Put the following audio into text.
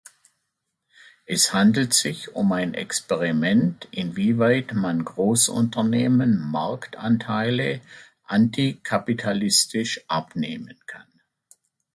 Es handelt sich um ein Experiment, inwieweit man Großunternehmen Marktanteile "antikapitalistisch" abnehmen kann.